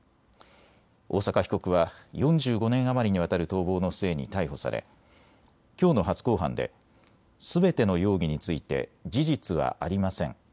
大坂被告は４５年余りにわたる逃亡の末に逮捕されきょうの初公判ですべての容疑について事実はありません。